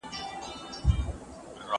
په ادارو کي باید کارونه پر وخت وسي.